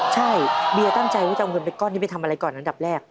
ใช่เบียร์ตั้งใจว่าจะเอาเงินไปก้อนนี้ไปทำอะไรก่อนอันดับแรก